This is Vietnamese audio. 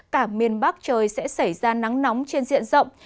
cả miền bắc trời sẽ xảy ra nắng nóng trên diện rộng